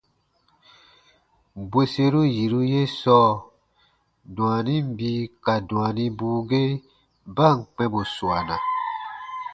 Bwerseru yiru ye sɔɔ, dwaanin bii ka dwaanibuu ge ba ǹ kpɛ̃ bù suana,